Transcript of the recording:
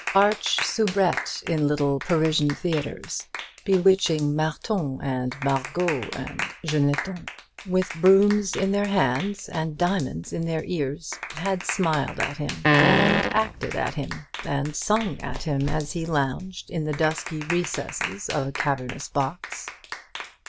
Arch soubrettes in little Parisian theatres, bewitching Marthons and Margots and Jeannettons, with brooms in their hands and diamonds in their ears, had smiled at him, and acted at him, and sung at him, as he lounged in the dusky recesses of a cavernous box.